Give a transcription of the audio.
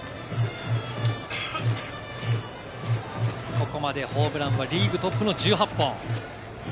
ここまでホームランはリーグトップの１８本。